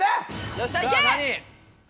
よっしゃいけ！